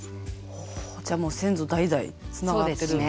ほじゃあもう先祖代々つながってる。